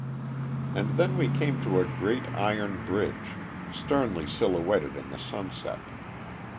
And then we came to a great iron bridge, sternly silhouetted in the sunset.